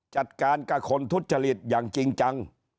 จัดการกับคนทุจริตอย่างจริงจัง